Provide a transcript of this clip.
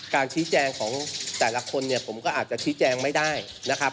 การชี้แจงของแต่ละคนเนี่ยผมก็อาจจะชี้แจงไม่ได้นะครับ